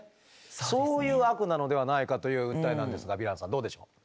そういう悪なのではないかという訴えなんですがヴィランさんどうでしょう？